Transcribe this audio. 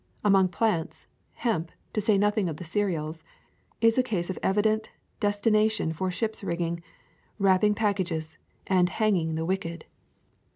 Among plants, hemp, to say nothing of the cereals, is a case of evident destination for ships' rigging, wrapping pack ages, and hanging the wicked.